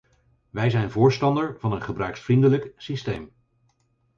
Wij zijn voorstander van een gebruiksvriendelijk systeem.